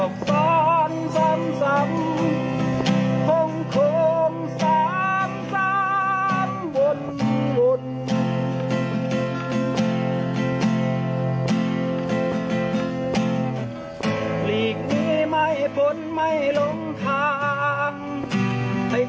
ลีกนี้ไม่พ้นไม่ลงทางให้ทางเก่าซ้ำซ้ำไม่พ้นดามเดิน